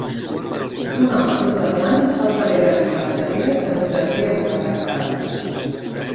Un home tot de blanc salta alegrement unes cadires en un jardí amb una tanca alta